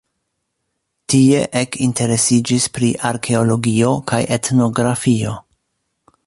Tie ekinteresiĝis pri arkeologio kaj etnografio.